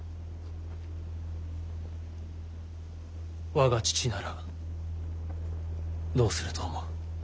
我が父ならどうすると思う？